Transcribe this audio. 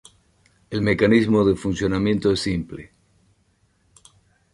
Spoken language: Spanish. El mecanismo de funcionamiento es simple.